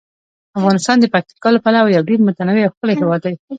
افغانستان د پکتیکا له پلوه یو ډیر متنوع او ښکلی هیواد دی.